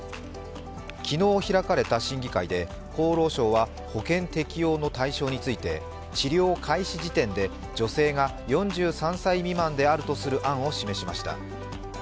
昨日、開かれた審議会で厚労省は保険適用の対象について治療開始時点で女性が４３歳未満であるとする案を示しました。